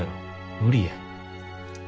無理や。